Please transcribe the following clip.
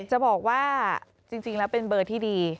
จะบอกว่าจริงแล้วเป็นเบอร์ที่ดี